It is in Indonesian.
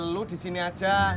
lu di sini aja